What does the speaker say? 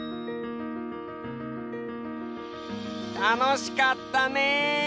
たのしかったね！